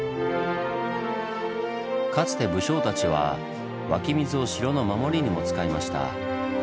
かつて武将たちは湧き水を城の守りにも使いました。